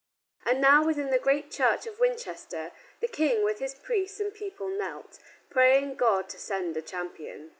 And now within the great church of Winchester the King with his priests and people knelt, praying God to send a champion.